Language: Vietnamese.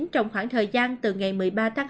trong khoảng thời gian từ ngày một tháng